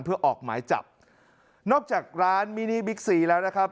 เพื่อออกหมายจับนอกจากร้านมินิบิ๊กซีแล้วนะครับ